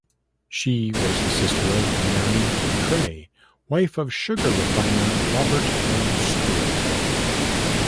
She was the sister of Mary McCrea, wife of sugar refiner Robert L. Stuart.